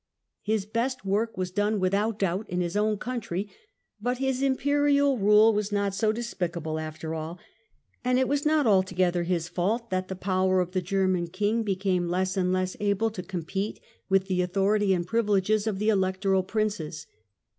His best work was done without doubt in his own country, but his Imperial rule was not so despicable after all, and it was not altogether his fault that the power of the German King became less and less able to compete with the authority and privileges of the Electoral Princes.